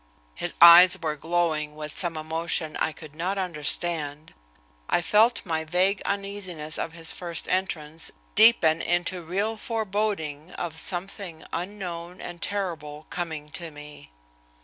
His eyes were glowing with some emotion I could not understand. I felt my vague uneasiness of his first entrance deepen into real foreboding of something unknown and terrible coming to me.